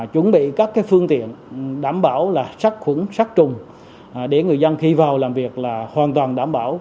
thực hiện đảm bảo là sát khuẩn sát trùng để người dân khi vào làm việc là hoàn toàn đảm bảo